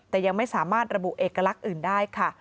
แต่ยังไม่สามารถระบุเอกลักษณ์อื่นได้ค่ะ